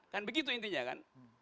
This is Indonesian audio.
kan begitu intinya kan